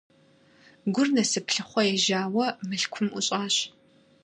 Гур Насып лъыхъуэ ежьауэ Мылъкум ӀущӀащ.